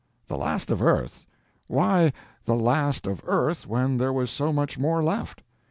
The last of earth! Why "the last of earth" when there was so much more left?